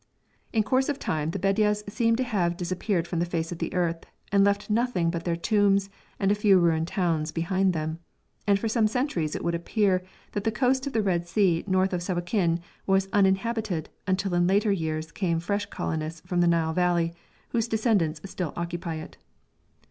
In course of time the Bedjas seem to have disappeared from the face of the earth and left nothing but their tombs and a few ruined towns behind them; and for some centuries it would appear that the coast of the Red Sea north of Sawakin was uninhabited until in later years came fresh colonists from the Nile Valley, whose descendants still occupy it.